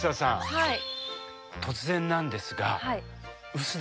はい。